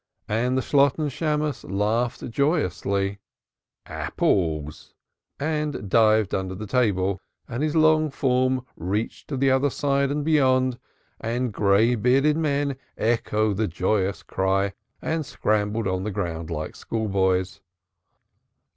And the Shalotten Shammos laughed joyously, "Apples," and dived under the table, and his long form reached to the other side and beyond, and graybearded men echoed the joyous cry and scrambled on the ground like schoolboys.